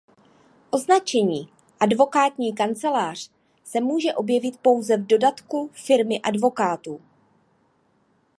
Označení „advokátní kancelář“ se může objevit pouze v dodatku firmy advokátů.